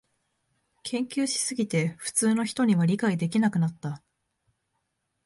研究しすぎて普通の人には理解できなくなった